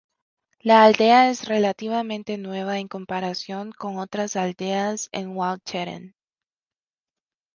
La aldea es relativamente nueva en comparación con otras aldeas en Walcheren.